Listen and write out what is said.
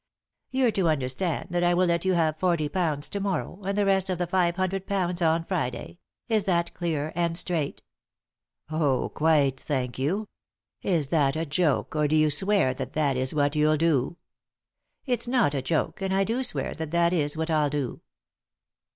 " You're to understand that I will let you have forty pounds to morrow, and the rest of the five hundred pounds on Friday — is that clear and straight ?"" Oh quite, thank you. Is that a joke, or do yon swear that that is what you'll do ?"" It's not a joke, and I do swear that that is what I'll do."